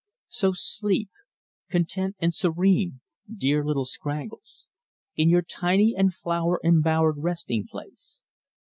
So sleep, content and serene, dear little Scraggles, in your tiny and flower embowered resting place.